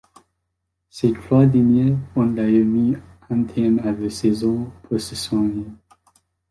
Ces trois derniers ont d'ailleurs mis un terme à leur saison pour se soigner.